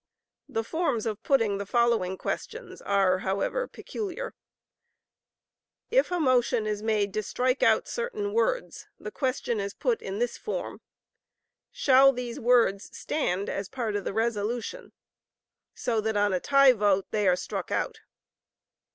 The forms of putting the following questions, are, however, peculiar: If a motion is made to Strike out certain words, the question is put in this form: "Shall these words stand as a part of the resolution?" so that on a tie vote they are struck out.